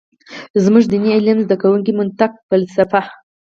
زمونږ ديني علم زده کوونکي منطق ، فلسفه ،